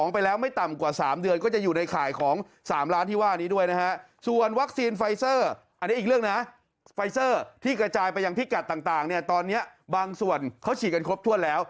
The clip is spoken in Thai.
ไฟเซอร์ที่กระจายไปอย่างพิกัดต่างตอนนี้บางส่วนเขาฉีดกันครบทั่วแล้ว